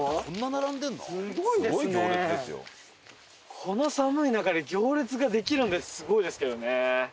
この寒い中で行列ができるのってすごいですけどね。